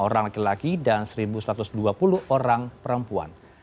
satu ratus lima puluh lima orang laki laki dan seribu satu ratus dua puluh orang perempuan